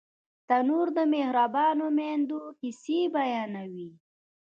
تنور د مهربانو میندو کیسې بیانوي